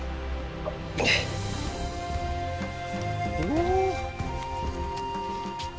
お。